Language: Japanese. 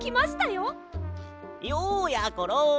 ようやころ。